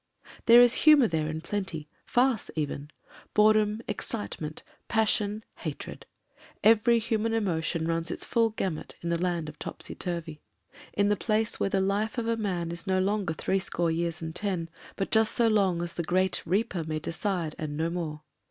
There is humour there in plenty — farce even ; bore dom, excitement, passion, hatred. Every human emo tion runs its full gamut in the Land of Topsy Turvy; 243 244 MEN, WOMEN AND GUNS in the place where the life of a man is no longer three score years and ten, but just so long as the Great Reaper may decide and no more.